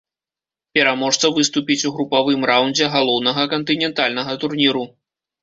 Пераможца выступіць у групавым раўндзе галоўнага кантынентальнага турніру.